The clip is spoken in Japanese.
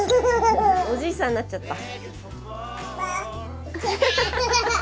おじいさんになっちゃった！